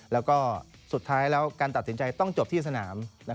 แล้วก็สุดท้ายแล้วการตัดสินใจต้องจบที่สนาม